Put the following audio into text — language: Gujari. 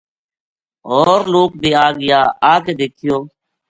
ہور لوک بے آ گیا آ کے دیکھیو